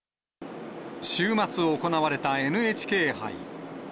週末行われたＮＨＫ杯。